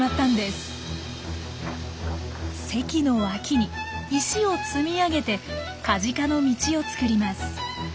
堰の脇に石を積み上げてカジカの道をつくります。